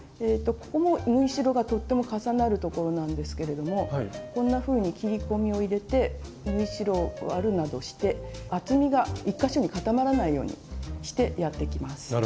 ここも縫い代がとっても重なるところなんですけれどもこんなふうに切り込みを入れて縫い代を割るなどして厚みが１か所に固まらないようにしてやっていきます。